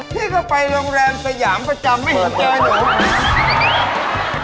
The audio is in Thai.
พี่ก็ไปโรงแรมสยามประจำไม่เห็นเจอหนู